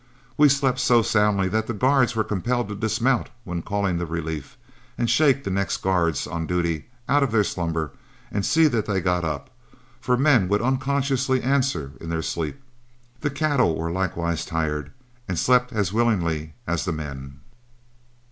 We slept so soundly that the guards were compelled to dismount when calling the relief, and shake the next guards on duty out of their slumber and see that they got up, for men would unconsciously answer in their sleep. The cattle were likewise tired, and slept as willingly as the men.